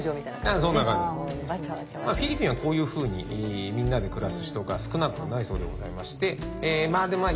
フィリピンはこういうふうにみんなで暮らす人が少なくないそうでございましてまあいざこざはあります。